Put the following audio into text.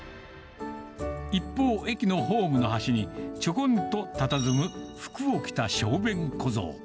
一方、駅のホームの端に、ちょこんとたたずむ服を着た小便小僧。